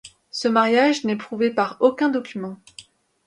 Ce mariage n'est prouvé par aucun document.